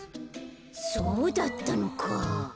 そうだったのか。